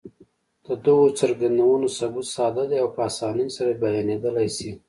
د دغو څرګندونو ثبوت ساده دی او په اسانۍ سره بيانېدلای شي.